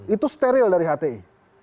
itu steril dari hti